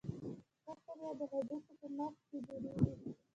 سره کرویات د هډوکو په مغز کې جوړېږي.